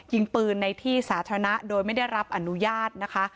ยิงปืนในที่สาธารณะโดยไม่ได้รับอนุญาตนะคะ